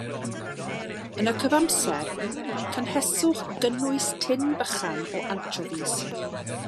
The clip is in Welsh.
Yn y cyfamser cynheswch gynnwys tin bychan o ansiofis.